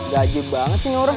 gaje banget sih ini orang